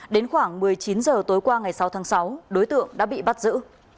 đến khoảng một mươi chín h tối qua ngày sáu tháng sáu đối tượng đã bị bắt giữ